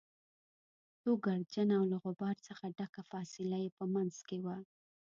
خو ګردجنه او له غبار څخه ډکه فاصله يې په منځ کې وه.